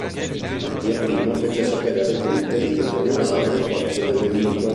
Mattia I fece sapere alle truppe di determinare le forze del nemico.